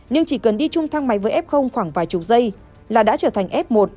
nhưng chỉ cần đi chung thang máy với f khoảng vài chục giây là đã trở thành f một